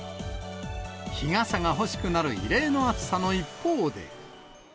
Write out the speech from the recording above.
日傘が欲しくなる異例の暑さの一方で。